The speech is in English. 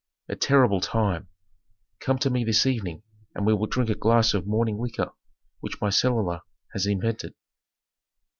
"A terrible time! Come to me this evening and we will drink a glass of mourning liquor which my cellarer has invented."